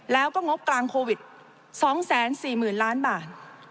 แล้วก็งบกลางโควิดสองแสนสี่หมื่นล้านบาท